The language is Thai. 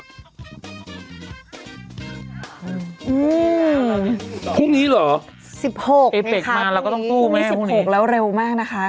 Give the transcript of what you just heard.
พรุ่งนี้๑๖แล้วเร็วมากนะคะ